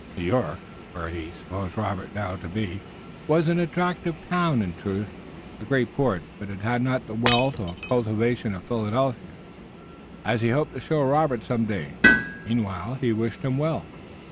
New York, where he supposed Robert now to be, was an attractive town, in truth, a great port, but it had not the wealth and cultivation of Philadelphia, as he hoped to show Robert some day. Meanwhile he wished him well.